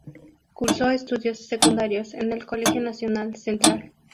Cursó estudios secundarios en el Colegio Nacional Central.